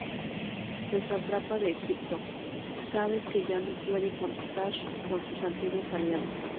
El sátrapa de Egipto sabe que ya no puede contar con sus antiguos aliados.